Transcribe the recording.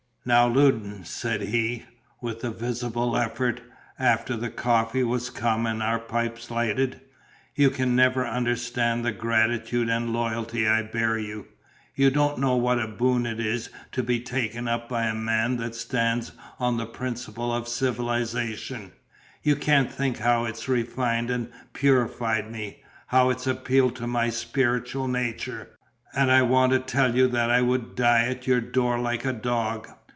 "Now, Loudon," said he, with a visible effort, after the coffee was come and our pipes lighted, "you can never understand the gratitude and loyalty I bear you. You don't know what a boon it is to be taken up by a man that stands on the pinnacle of civilization; you can't think how it's refined and purified me, how it's appealed to my spiritual nature; and I want to tell you that I would die at your door like a dog."